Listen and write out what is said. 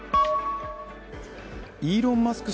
イーロン・マスク